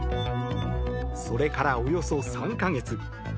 それからおよそ３か月。